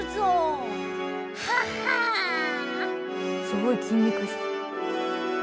すごい筋肉質。